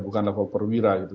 bukan level perwira gitu